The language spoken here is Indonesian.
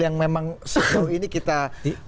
yang memang sejauh ini kita